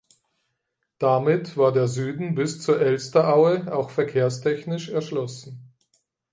Damit war der Süden bis zur Elsteraue auch verkehrstechnisch erschlossen.